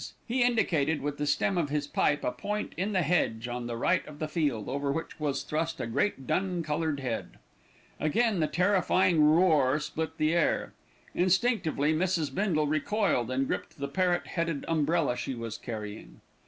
He indicated with the stem of his pipe a point in the hedge on the right of the field, over which was thrust a great dun coloured head. Again the terrifying roar split the air. Instinctively Mrs. Bindle recoiled, and gripped the parrot headed umbrella she was carrying.